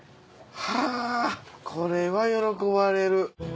はぁこれは喜ばれる。